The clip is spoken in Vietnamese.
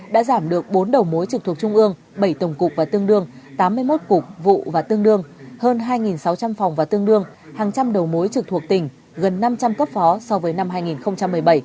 đã giảm được bốn đầu mối trực thuộc trung ương bảy tổng cục và tương đương tám mươi một cục vụ và tương đương hơn hai sáu trăm linh phòng và tương đương hàng trăm đầu mối trực thuộc tỉnh gần năm trăm linh cấp phó so với năm hai nghìn một mươi bảy